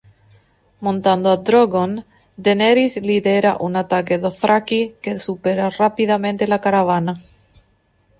Montando a Drogon, Daenerys lidera un ataque Dothraki que supera rápidamente la caravana.